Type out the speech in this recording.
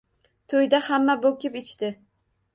Toʻyda hamma boʻkib ichdi